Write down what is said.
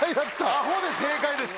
アホで正解です。